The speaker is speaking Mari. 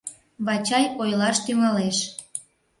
Вачай ойлаш тӱҥалеш.